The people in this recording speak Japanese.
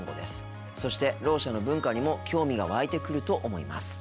そして、ろう者の文化にも興味が湧いてくると思います。